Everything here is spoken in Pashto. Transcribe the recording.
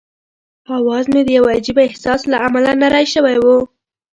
اواز مې د یوه عجيبه احساس له امله نری شوی وو.